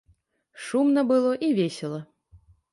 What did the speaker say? Шумна было і весела.